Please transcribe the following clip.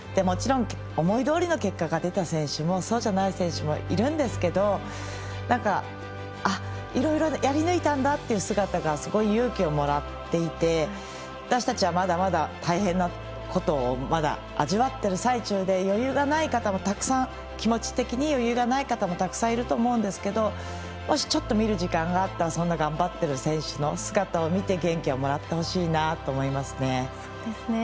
もちろん思いどおりの結果が出た選手も、そうじゃない選手もいるんですけど、いろいろやり抜いたんだという姿にすごい勇気をもらっていて私たちはまだまだ大変なことをまだ味わっている最中で気持ち的に余裕がない方もたくさんいると思うんですけどもし、ちょっと見る時間があったら頑張る選手の姿を見て元気をもらってほしいなと思いますね。